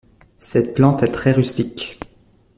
Cette plante est très rustique.